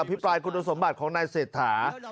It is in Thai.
อภิปรายคุณสมบัติของนายเสร็จถา